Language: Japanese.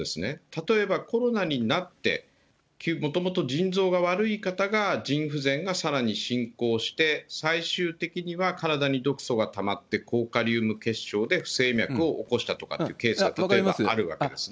例えばコロナになって、もともと腎臓が悪い方が腎不全がさらに進行して、最終的には体に毒素がたまって、高カリウム血症で不整脈を起こしたとかっていうケースが例えばあ分かります。